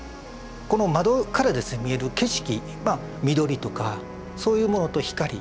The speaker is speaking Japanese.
この窓から見える景色緑とかそういうものと光と風。